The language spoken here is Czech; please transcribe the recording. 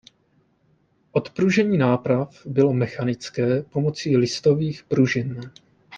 Odpružení náprav bylo mechanické pomocí listových pružin.